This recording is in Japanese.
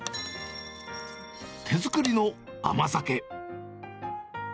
手作りの甘酒。